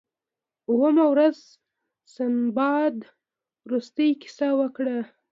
اوومه ورځ سنباد وروستۍ کیسه وکړه.